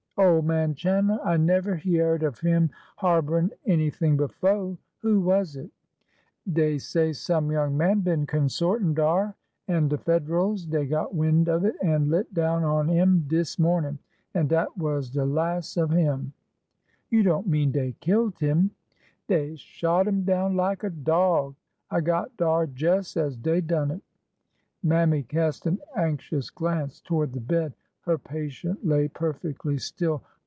'' Ole man Chan'ler ! I never hyeahed of 'im harborin' anything befo' ! Who was it ?"" Dey say some young man been consortin' dar, an' de Fed'rals dey got wind of it an' lit down on 'im dis mornin', an' dat was de las' of 'im !"" You don't mean dey kilt him? " Dey shot him down lak a dog! I got dar jes' as dey done it." Mammy cast an anxious glance toward the bed. Her patient lay perfectly still.